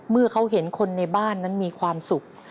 เมื่อเขาเห็นคนในบ้านนั้นมีความสุข